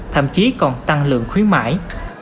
thậm chí còn tăng lượng khuyến mãi